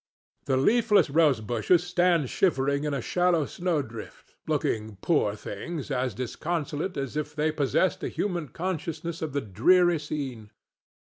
The leafless rose bushes stand shivering in a shallow snowdrift, looking, poor things! as disconsolate as if they possessed a human consciousness of the dreary scene.